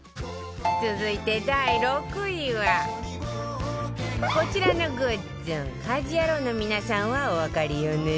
続いて第６位はこちらのグッズ家事ヤロウの皆さんはおわかりよね？